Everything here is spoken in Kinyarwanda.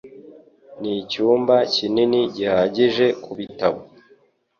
Nicyumba kinini gihagije kubitabo.